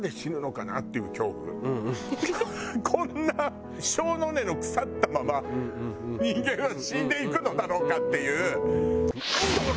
こんな性の根の腐ったまま人間は死んでいくのだろうかっていう。